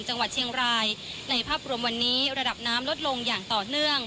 จังหวัดเชียงรายในภาพรวมวันนี้ระดับน้ำลดลงอย่างต่อเนื่อง